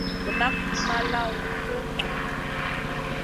Vu nak ma lawn sui nʼa.